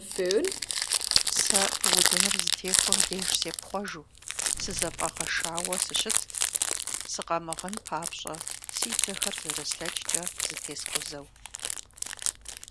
Сэ удыныр зытехуэм деж сепхъуэжу, сызэфӀэгъэшауэ сыщытт, сыкъэмыгъын папщӀэ си дзэхэр зэрыслъэкӀкӀэ зэтескъузэу.